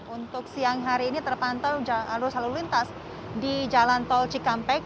untuk siang hari ini terpantau arus lalu lintas di jalan tol cikampek